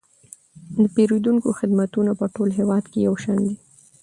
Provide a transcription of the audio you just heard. د پیرودونکو خدمتونه په ټول هیواد کې یو شان دي.